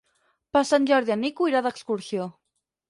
Per Sant Jordi en Nico irà d'excursió.